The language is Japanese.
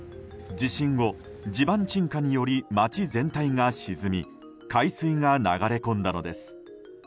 地震後、地盤沈下により街全体が沈み海水が流れ込んだのです。